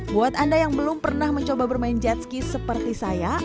buat anda yang belum pernah mencoba bermain jet ski seperti saya